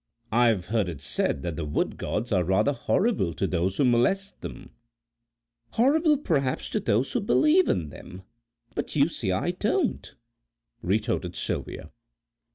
"I've heard it said that the Wood Gods are rather horrible to those who molest them." "Horrible perhaps to those that believe in them, but you see I don't," retorted Sylvia.